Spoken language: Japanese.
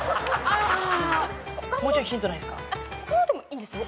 もうちょいヒントないんすか？